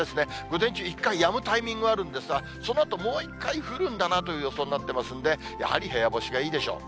午前中一回やむタイミングあるんですが、そのあともう１回降るんだなという予想になってますんで、やはり部屋干しがいいでしょう。